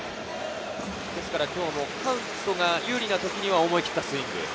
今日もカウントが有利な時には思い切ったスイング。